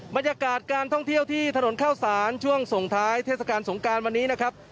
บรรยากาศการท่องเที่ยวที่ถนนเข้าสารช่วงส่งท้ายเทศกาลสงการวันนี้นะครับ